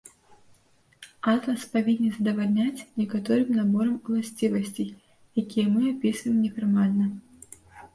Атлас павінен задавальняць некаторым наборам уласцівасцей, які мы апісваем нефармальна.